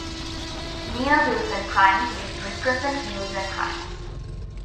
Near-Wilson primes with represent Wilson primes.